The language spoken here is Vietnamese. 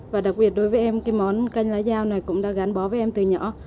và đặc biệt đối với em cái món canh lá dao này cũng đã gắn bó với em từ nhỏ